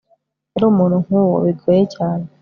yari umuntu nkuwo, bigoye cyane